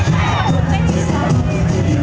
เพราะตอนนี้มันคุ้มใหม่